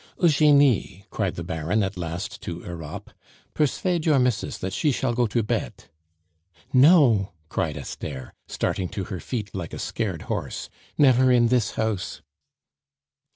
"Eugenie," cried the Baron at last to Europe, "persvade your mis'ess that she shall go to bet." "No!" cried Esther, starting to her feet like a scared horse. "Never in this house!"